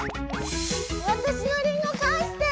わたしのリンゴかえして！